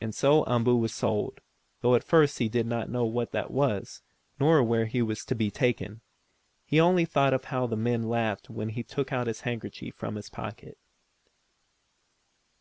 And so Umboo was sold, though at first he did not know what that was, nor where he was to be taken. He only thought of how the men laughed when he took out the handkerchief from the pocket.